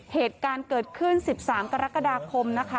เหตุการณ์เกิดขึ้น๑๓กรกฎาคมนะคะ